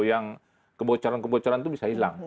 yang kebocoran kebocoran itu bisa hilang